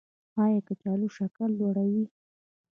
ایا کچالو شکر لوړوي؟